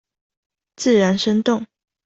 自然生動